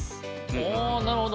おなるほど。